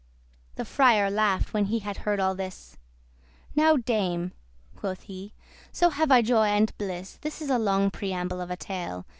— The Friar laugh'd when he had heard all this: "Now, Dame," quoth he, "so have I joy and bliss, This is a long preamble of a tale."